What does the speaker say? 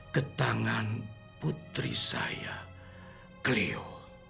ketangan putri saya clio